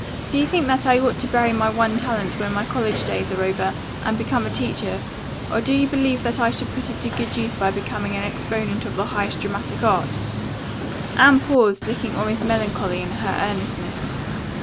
Do you think that I ought to bury my one talent when my college days are over and become a teacher, or do you believe that I should put it to good use by becoming an exponent of the highest dramatic art?" Anne paused, looking almost melancholy in her earnestness.